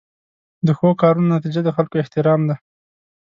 د ښو کارونو نتیجه د خلکو احترام دی.